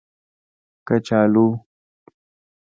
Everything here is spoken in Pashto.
🥔 کچالو